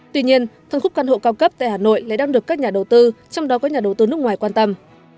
tuy nhiên phân khúc căn hộ cao cấp tại hà nội lại đang được các nhà đầu tư trong đó có nhà đầu tư nước ngoài quan tâm